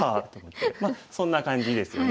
まあそんな感じですよね。